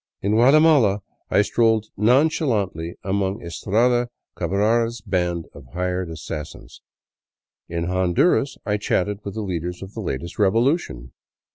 In Guatemala I strolled non chalantly among Estrada Cabrara's band of hired assassins. In Hon duras I chatted with the leaders of the latest revolution.